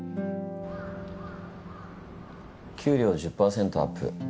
給料１０％アップ